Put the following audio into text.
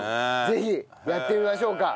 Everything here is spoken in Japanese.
ぜひやってみましょうか。